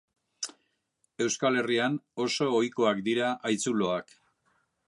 Euskal Herrian oso ohikoak dira haitzuloak.